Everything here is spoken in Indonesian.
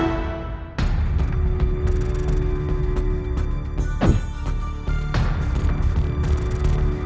aku akan membunuhnya